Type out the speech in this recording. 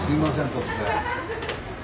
突然。